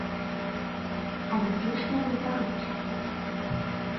Але дзе ж яны бяруць?